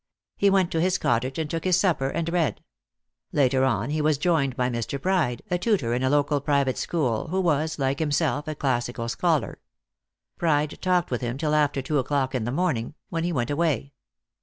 He went to his cottage, and took his supper and read. Later on he was joined by Mr. Pride, a tutor in a local private school, who was, like himself, a classical scholar. Pride talked with him till after two o'clock in the morning, when he went away.